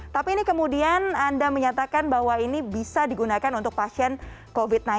tapi ini kemudian anda menyatakan bahwa ini bisa digunakan untuk pasien covid sembilan belas